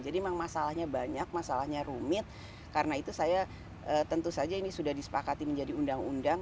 jadi memang masalahnya banyak masalahnya rumit karena itu saya tentu saja ini sudah disepakati menjadi undang undang